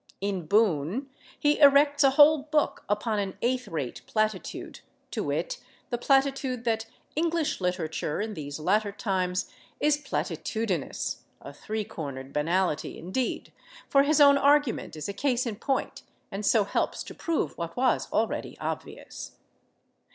In "Boon" he erects a whole book upon an eighth rate platitude, to wit, the platitude that English literature, in these latter times, is platitudinous—a three cornered banality, indeed, for his own argument is a case in point, and so helps to prove what was already obvious.